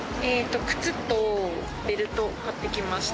靴とベルトを買ってきました。